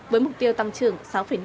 với mục tiêu tăng trưởng sáu năm